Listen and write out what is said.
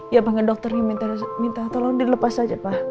ya bangga dokternya minta tolong dilepas aja pak